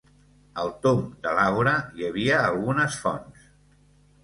Al tomb de l'àgora hi havia algunes fonts.